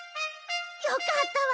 よかったわ！